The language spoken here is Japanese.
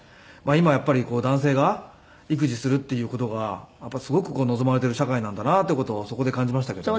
今やっぱり男性が育児するっていう事がすごく望まれている社会なんだなっていう事をそこで感じましたけどね。